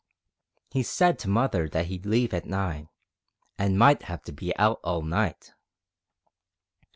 "He said to mother that he'd leave at nine, and might 'ave to be out all night."